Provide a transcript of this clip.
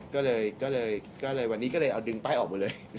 ก็เลยวันนี้ก็เลยเอาดึงป้ายออกมาเลย